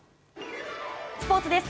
スポーツです。